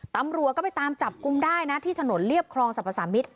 ตำรวจก็ไปตามจับกลุ่มได้นะที่ถนนเรียบคลองสรรพสามิตร